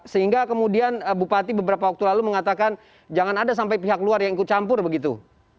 sehingga kemudian bupati beberapa waktu lalu mengatakan jangan ada sampai pihak luar yang ikut campur begitu